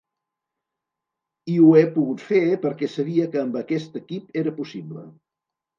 I ho he pogut fer perquè sabia que amb aquest equip era possible.